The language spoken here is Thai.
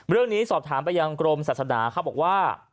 เรื่องนี้สอบถามไปยังกรมศาสนาเขาบอกว่า